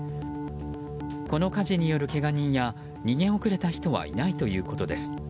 この火事によるけが人や逃げ遅れた人はいないということです。